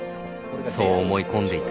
そう思い込んでいた